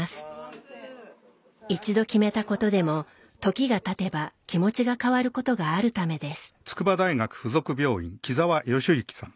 一度決めたことでも時がたてば気持ちが変わることがあるためです。